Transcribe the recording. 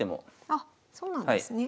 あそうなんですね。